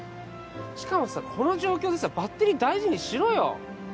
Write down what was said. しかもさ、この状況でさ、バッテリー大事にしろよ。